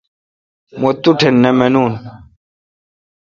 مہ توٹھ نہ مانوں